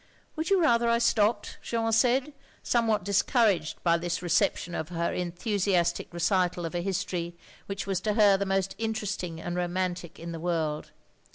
"Would you rather I stopped?" Jeanne said, somewhat discouraged by this reception of her enthusiastic recital of a history which was to her the most interesting and romantic in the world.